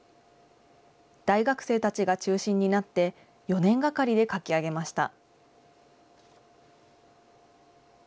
大学生たちが中心になって、４年がかりで描き上げました。